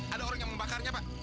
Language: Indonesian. ada orang yang membakarnya pak